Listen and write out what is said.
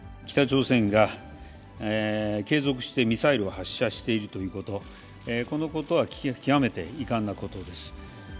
北朝鮮が継続してミサイルを発射しているということ、このことは極めて遺憾なことです。